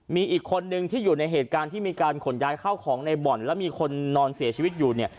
มีอีกคนนึงที่อยู่ในเหตุการณ์ที่มีการขนย้ายเข้าของในบ่อนแล้วมีคนนอนเสียชีวิตอยู่เนี่ย